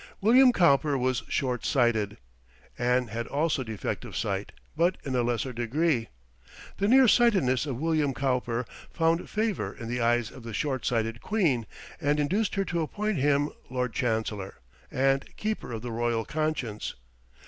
William Cowper was short sighted. Anne had also defective sight, but in a lesser degree. The near sightedness of William Cowper found favour in the eyes of the short sighted queen, and induced her to appoint him Lord Chancellor, and Keeper of the Royal Conscience.